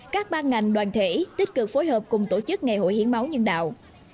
các ban ngành đoàn thể tích cực phối hợp cùng tổ chức ngày hội hiến máu nhân đạo